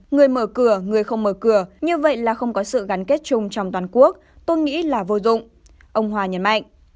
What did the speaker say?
người mở cửa người không mở cửa như vậy là không có sự gắn kết chung trong toàn quốc tôi nghĩ là vô dụng ông hòa nhấn mạnh